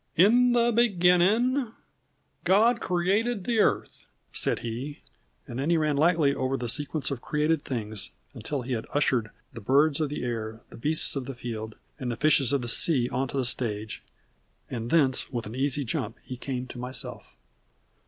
"In the beginning God created the earth," said he, and then he ran lightly over the sequences of created things until he had ushered the birds of the air, the beasts of the field, and the fishes of the sea on to the stage, and thence with an easy jump he came to myself.